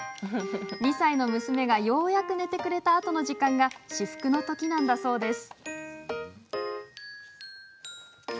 ２歳の娘がようやく寝てくれたあとの時間が至福のときなんだそうです。